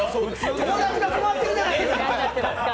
友達が困ってるじゃないですか。